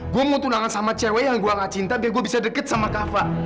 gue mau tunangan sama cewek yang gue gak cinta biar gue bisa deket sama kava